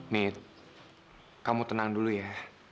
mit kamu tenang dulu ya